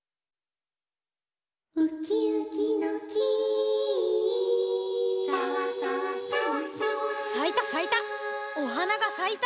「ウキウキの木」さいたさいた。